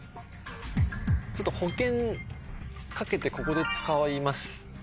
ちょっと保険かけてここで使います。